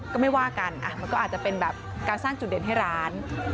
ก็ไม่ว่ากันมันก็อาจจะเป็นแบบการสร้างจุดเด่นให้ร้าน